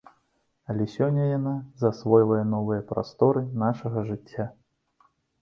Але сёння яна засвойвае новыя прасторы нашага жыцця.